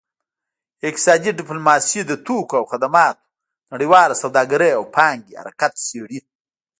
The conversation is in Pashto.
اقتصادي ډیپلوماسي د توکو او خدماتو نړیواله سوداګرۍ او پانګې حرکت څیړي